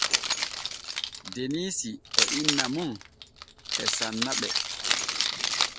Deniisi e inna mum e sanna ɓe.